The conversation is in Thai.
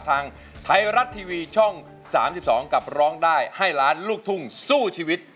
ทางไทยรัฐทีวีช่อง๓๒กับร้องได้ให้ล้านลูกทุ่งสู้ชีวิต